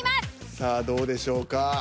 さあどうでしょうか。